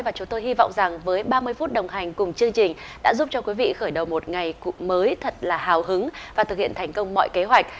và chúng tôi hy vọng rằng với ba mươi phút đồng hành cùng chương trình đã giúp cho quý vị khởi đầu một ngày mới thật là hào hứng và thực hiện thành công mọi kế hoạch